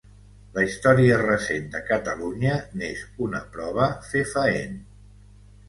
La història recent de Catalunya n'és una prova fefaent.